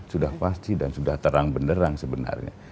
sudah pasti dan sudah terang benderang sebenarnya